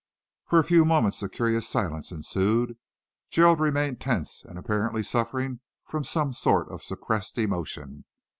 For a few moments a curious silence ensued. Gerald remained tense and apparently suffering from some sort of suppressed emotion.